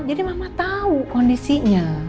jadi mama tahu kondisinya